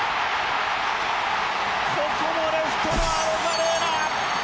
ここもレフトのアロザレーナ。